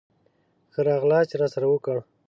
ښه راغلاست یې راسره وکړل.